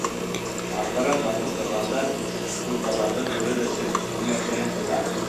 Арттараҡ баҫып торғандар, ҡумталарҙы күрер өсөн, үңәстәрен һуҙа.